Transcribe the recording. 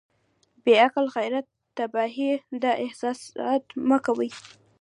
بې عقل غيرت تباهي ده احساسات مه کوئ.